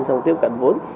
trong tiếp cận vốn